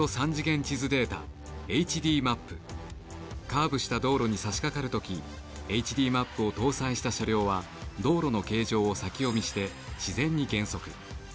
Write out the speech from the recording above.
カーブした道路にさしかかる時ＨＤマップを搭載した車両は道路の形状を先読みして自然に減速。